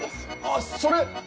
あっそれ！